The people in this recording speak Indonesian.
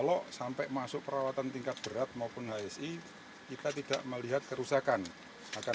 untuk perawatan tingkat berat maupun hsi kita tidak melihat kerusakan